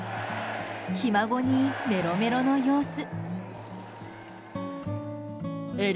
ひ孫にメロメロの様子。